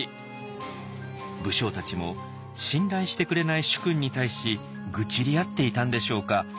武将たちも信頼してくれない主君に対し愚痴り合っていたんでしょうか。